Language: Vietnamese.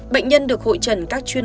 bệnh nhân được hội trần các chuyên